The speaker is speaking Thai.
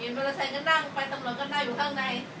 เกดมาแล้วใช่ก็นั่งไปตำรวจก็นั่งอยู่ข้างใน